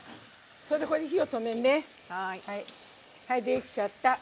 できちゃった。